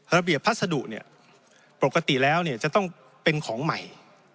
ระเบียบพัฒนธุเนี่ยปกติแล้วเนี่ยจะต้องเป็นของใหม่